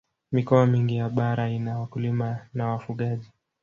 mikoa mingi ya bara ina wakulima na wafugaji